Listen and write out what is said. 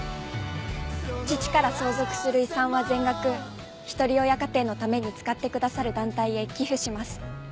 父から相続する遺産は全額ひとり親家庭のために使ってくださる団体へ寄付します。